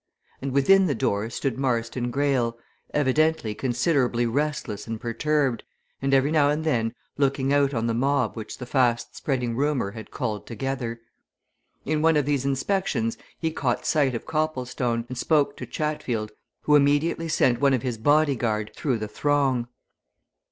And within the door stood Marston Greyle, evidently considerably restless and perturbed, and every now and then looking out on the mob which the fast spreading rumour had called together. In one of these inspections he caught sight of Copplestone, and spoke to Chatfield, who immediately sent one of his body guard through the throng.